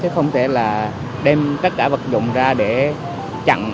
chứ không thể là đem tất cả vật dụng ra để chặn